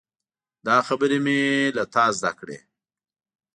دا خبرې مې له تا زده کړي.